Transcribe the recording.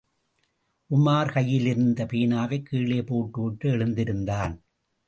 உமார் கையிலிருந்த பேனாவைக் கீழே போட்டுவிட்டு எழுந்திருந்தான்.